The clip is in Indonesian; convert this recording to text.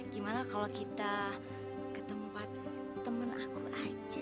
gimana kalau kita ke tempat temen aku aja